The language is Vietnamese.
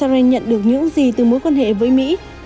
israel nhận được những gì từ mối quan hệ với mỹ